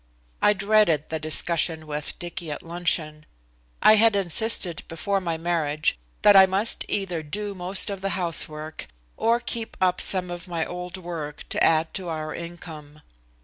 I dreaded the discussion with Dicky at luncheon. I had insisted before my marriage that I must either do most of the housework, or keep up some of my old work to add to our income.